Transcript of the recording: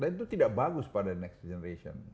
dan itu tidak bagus pada next generation